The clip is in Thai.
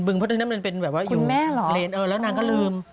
อ๋อเหรอคุณแม่เหรอแล้วนางก็ลืม